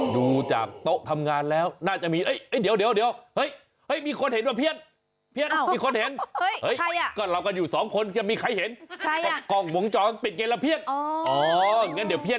ดูจากโต๊ะทำงานแล้วน่าจะมี